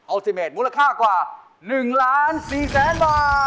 อัลติเมตรมูลค่ากว่า๑ล้าน๔๐๐บาท